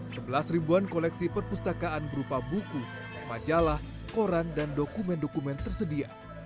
sebelas ribuan koleksi perpustakaan berupa buku majalah koran dan dokumen dokumen tersedia